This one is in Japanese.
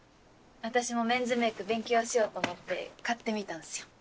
私もメンズメイク勉強しようと思って買ってみたんすよ。